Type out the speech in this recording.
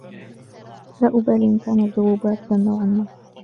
لا أبالي إن كان الجو باردا نوعا ما.